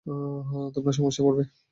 তোমরা সমস্যায় পড়বে।